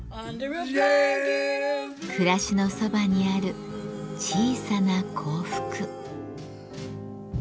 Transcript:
暮らしのそばにある小さな幸福。